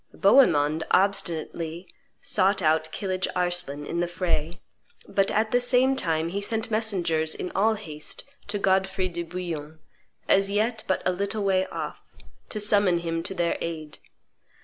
Bohemond obstinately sought out Kilidge Arslan in the fray; but at the same time he sent messengers in all haste to Godfrey de Bouillon, as yet but a little way off, to summon him to their aid.